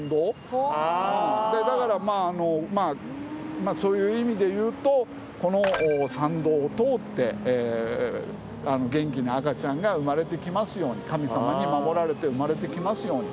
だからまあそういう意味でいうとこの参道を通って元気な赤ちゃんが生まれてきますように神様に守られて生まれてきますように。